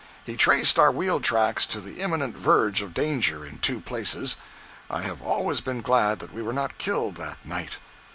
He traced our wheel tracks to the imminent verge of danger, in two places. I have always been glad that we were not killed that night.